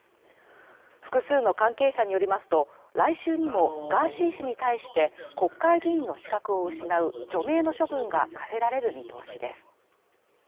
複数の関係者によりますと、来週にもガーシー氏に対して国会議員の資格を失う除名の処分が科せられる見通しです。